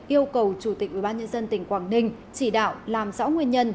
yêu cầu chủ tịch ubnd tỉnh quảng ninh chỉ đạo làm rõ nguyên nhân